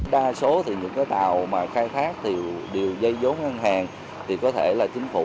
đa số thì những cái tàu mà khai thác thì đều dây giống ngân hàng thì có thể là chính phủ